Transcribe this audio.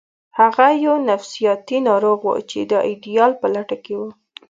هغه یو نفسیاتي ناروغ و چې د ایډیال په لټه کې و